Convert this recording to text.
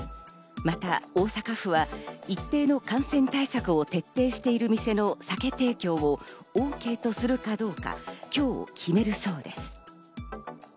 また大阪府は、一定の感染対策を徹底している店の酒提供をＯＫとするかどうか、今日決めるそうです。